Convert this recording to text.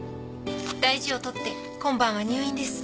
大事をとって今晩は入院です。